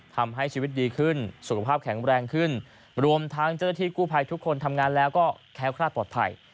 ทำให้ชีวิตดีขึ้นสุขภาพแข็งแรงขึ้นรวมทั้งเจ้าหน้าที่กู้ภัยทุกคนทำงานแล้วก็แค้วคลาดปลอดภัย